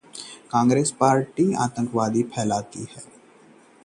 Congress party का दूसरा नाम ‘महंगाई पार्टी’: नीतीश